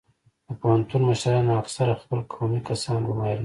د پوهنتون مشران اکثرا خپل قومي کسان ګماري